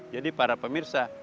jadi para pemirsa